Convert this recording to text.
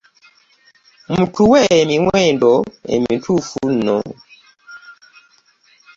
Mutuwe emiwendo emituufu nno.